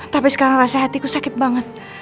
tapi sekarang rasa hatiku sakit banget